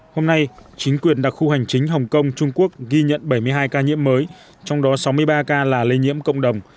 hôm nay chính quyền đặc khu hành chính hồng kông trung quốc ghi nhận bảy mươi hai ca nhiễm mới trong đó sáu mươi ba ca là lây nhiễm cộng đồng